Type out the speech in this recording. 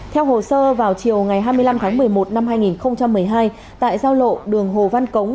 theo hồ sơ vào chiều ngày hai mươi năm tháng một mươi một năm hai nghìn một mươi hai tại giao lộ đường hồ văn cống